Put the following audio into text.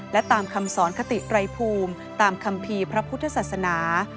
และตามคำสอนคติไรภูมิตามคัมภีร์พระพุทธศาสนา